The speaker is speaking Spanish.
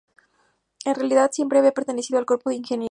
En realidad, siempre había pertenecido al cuerpo de ingenieros.